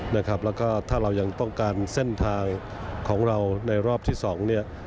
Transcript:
แล้วก็ถ้าเรายังต้องการเส้นทางของเราในรอบที่สองเนี่ย